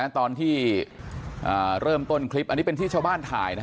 ตอนที่เริ่มต้นคลิปอันนี้เป็นที่ชาวบ้านถ่าย